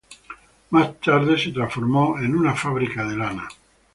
Más tarde la transformó en una fábrica de lana.